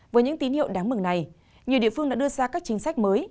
với những tín hiệu đáng mừng này nhiều địa phương đã đưa ra các chính sách mới